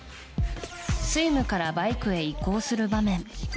スイムからバイクへ移行する場面